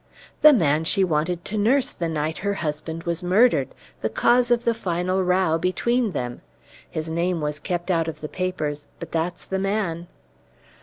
"The man she wanted to nurse the night her husband was murdered the cause of the final row between them! His name was kept out of the papers, but that's the man."